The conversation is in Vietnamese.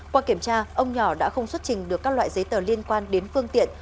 qua kiểm tra ông nhỏ đã không xuất trình được các loại giấy tờ liên quan đến phương tiện